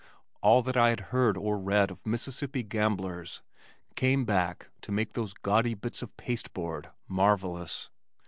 All that I had heard or read of Mississippi gamblers came back to make those gaudy bits of pasteboard marvellous.